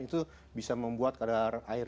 itu bisa membuat kadar air